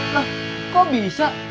lah kok bisa